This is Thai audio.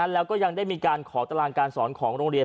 แล้วก็ยังได้มีการขอตารางการสอนของโรงเรียน